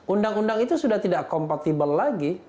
undang undang itu sudah tidak kompatibel lagi